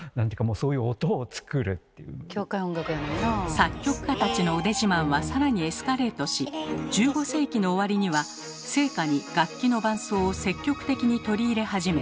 作曲家たちの腕自慢は更にエスカレートし１５世紀の終わりには聖歌に楽器の伴奏を積極的に取り入れ始め